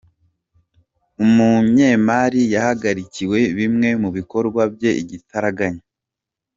Umunyemari yahagarikiwe bimwe mu bikorwa bye igitaraganya